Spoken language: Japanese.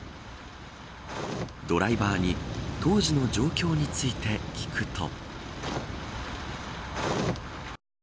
ドライバーに当時の状況について聞くと。